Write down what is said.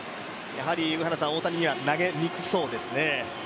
大谷には投げにくそうですね。